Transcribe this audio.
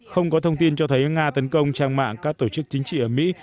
không có thông tin cho thấy nga tấn công trang mạng các tổ chức chính trị ở mỹ